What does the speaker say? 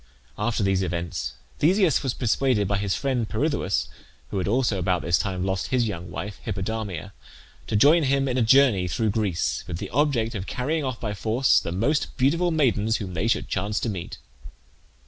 After these events Theseus was persuaded by his friend Pirithoeus, who had also about this time lost his young wife, Hippodamia, to join him in a journey through Greece, with the object of carrying off by force the most beautiful maidens whom they should chance to meet.